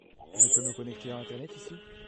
Je peux me connecter à Internet ici ?